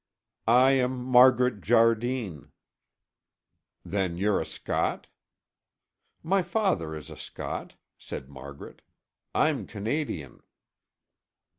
"I am Margaret Jardine." "Then you're a Scot?" "My father is a Scot," said Margaret. "I'm Canadian."